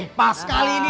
wih pas sekali ini